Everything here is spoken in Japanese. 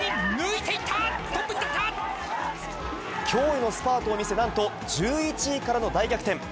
驚異のスパートを見せ、なんと１１位からの大逆転。